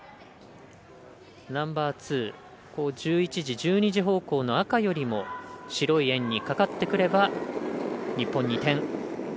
ナンバーツー１１時、１２時方向の赤よりも白い円にかかってくれば日本に２点。